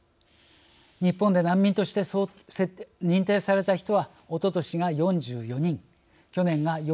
日本で難民として認定された人はおととしが４４人去年が４７人でした。